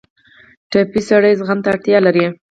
ټپي سړی زغم ته اړتیا لري.